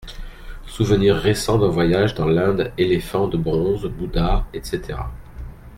Souvenirs récents d’un voyage dans l’Inde éléphants de bronze, Bouddha, etc …